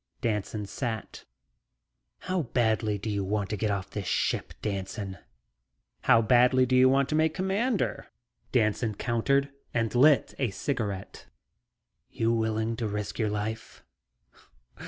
Danson sat. "How badly do you want to get off this ship, Danson?" "How badly do you want to make Commander?" Danson countered and lit a cigarette. "You willing to risk your life?"